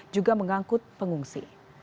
juga mengangkut pengungsi